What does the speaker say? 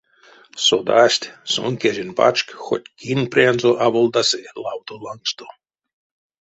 Содасть, сон кежень пачк хоть кинь прянзо аволдасы лавтов лангсто.